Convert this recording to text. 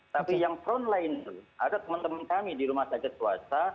tapi yang front line itu ada teman teman kami di rumah sakit swasta